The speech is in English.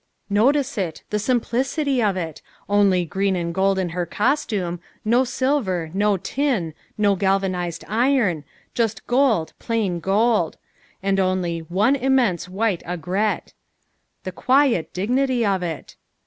Notice it. The simplicity of it! Only green and gold in her costume, no silver, no tin, no galvanized iron, just gold, plain gold; and only "one immense white aigrette." The quiet dignity of it!